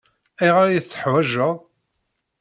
Ayɣer ay t-teḥwajeḍ?